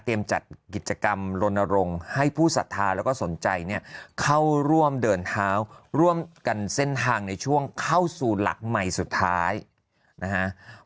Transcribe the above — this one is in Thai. จัดกิจกรรมลนรงค์ให้ผู้ศรัทธาแล้วก็สนใจเนี่ยเข้าร่วมเดินเท้าร่วมกันเส้นทางในช่วงเข้าสู่หลักใหม่สุดท้ายนะฮะ